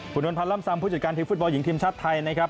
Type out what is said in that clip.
คุณนวลพันธ์ล่ำซำผู้จัดการทีมฟุตบอลหญิงทีมชาติไทยนะครับ